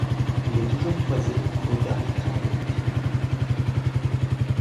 Il est toujours toisé au dernier crin de la crinière.